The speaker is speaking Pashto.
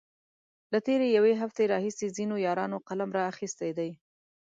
له تېرې يوې هفتې راهيسې ځينو يارانو قلم را اخستی دی.